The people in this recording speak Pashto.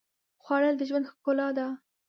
خوړل د ژوند ښکلا ده